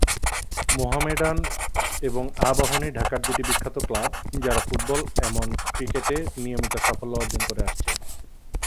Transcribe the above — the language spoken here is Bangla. মোহামেডান এবং আবাহনী ঢাকার দুটি বিখ্যাত ক্লাব যারা ফুটবল এমন ক্রিকেটে নিয়মিত সাফল্য অর্জন করে আসছে।